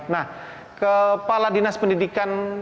nah kepala dinas pendidikan